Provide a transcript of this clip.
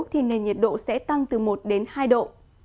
thì nền nhiệt độ sẽ tăng từ một đến hai độ